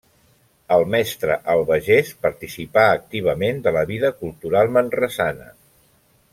El mestre Albagés participà activament de la vida cultural manresana.